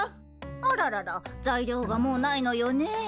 あららら材料がもうないのよねえ。